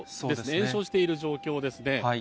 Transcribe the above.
延焼している状況ですね。